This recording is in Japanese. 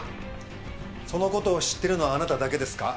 その事を知ってるのはあなただけですか？